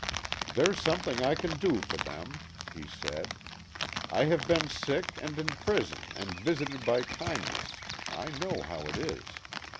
" There's something I can do for them," he said. " I have been sick and in prison and visited by kindness I know how it is.